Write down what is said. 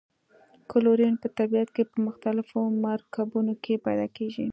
کلورین په طبیعت کې په مختلفو مرکبونو کې پیداکیږي.